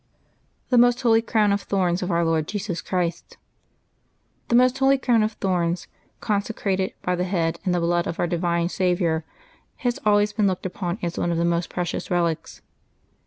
THE MOST HOLY CROWN OF THORNS OF OUR LORD JESUS CHRIST. GHE Most Holy Crown of Thorns, consecrated by the head and the blood of our divine Saviour, has always been looked upon as one of the most precious of relics.